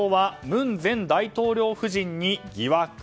文前大統領夫人に疑惑。